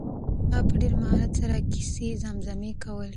هغه په ډېر مهارت سره کیسه زمزمه کوله.